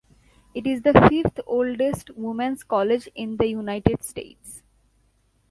It is the fifth oldest women's college in the United States.